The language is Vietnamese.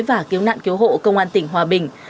và cứu nạn cứu hộ công an tỉnh hòa bình